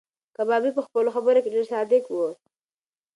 کبابي په خپلو خبرو کې ډېر صادق و.